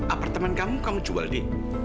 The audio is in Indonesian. apartemen kamu kamu jual deh